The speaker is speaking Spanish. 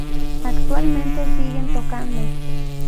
Actualmente siguen tocando.